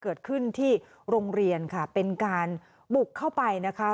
เกิดขึ้นที่โรงเรียนค่ะเป็นการบุกเข้าไปนะคะ